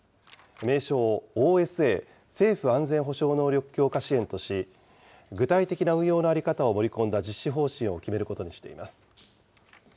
名称をＯＳＡ・政府安全保障能力強化支援とし、具体的な運用の在り方を盛り込んだ実施方針を決めることにしています。